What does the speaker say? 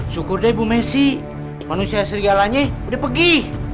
syukur deh bu messi manusia serigalanya udah pergi